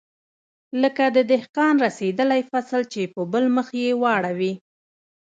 لکه د دهقان رسېدلى فصل چې په بل مخ يې واړوې.